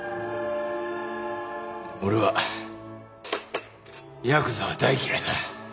俺はヤクザは大嫌いだ。